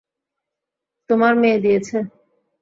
তোমার মেয়ে দিয়েছে।